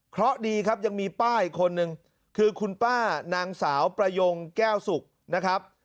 เพราะดีครับยังมีป้าอีกคนนึงคือคุณป้านางสาวประยงแก้วสุกนะครับ